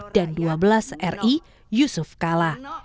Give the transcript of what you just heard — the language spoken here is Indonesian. dan dua belas ri yusuf kalah